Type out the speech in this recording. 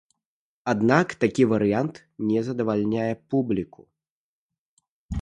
Аднак такі варыянт не задавальняе публіку.